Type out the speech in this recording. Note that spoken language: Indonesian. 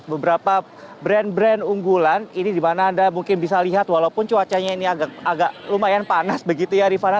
beberapa brand brand unggulan ini di mana anda mungkin bisa lihat walaupun cuacanya ini agak lumayan panas begitu ya rifana